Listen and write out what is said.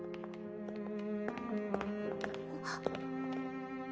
あっ。